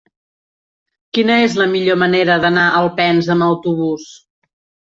Quina és la millor manera d'anar a Alpens amb autobús?